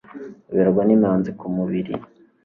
Ruberwa n' imanzi ku mubiri